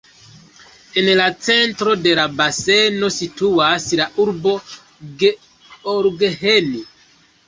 En la centro de la baseno situas la urbo Gheorgheni.